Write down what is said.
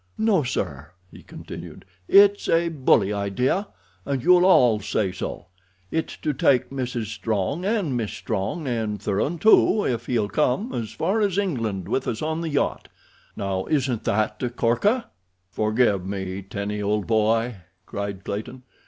"No, sir," he continued, "it's a bully idea, and you'll all say so. It's to take Mrs. Strong and Miss Strong, and Thuran, too, if he'll come, as far as England with us on the yacht. Now, isn't that a corker?" "Forgive me, Tenny, old boy," cried Clayton.